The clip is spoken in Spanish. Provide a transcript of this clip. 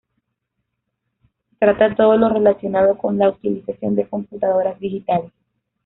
Trata todo lo relacionado con la utilización de computadoras digitales.